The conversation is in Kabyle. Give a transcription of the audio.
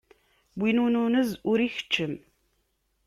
Win ur nunez, ur ikeččem.